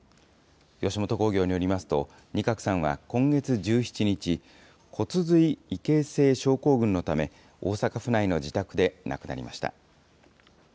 吉本興業によりますと、仁鶴さんは今月１７日、骨髄異形成症候群のため、大阪府内の自宅で亡くなりました。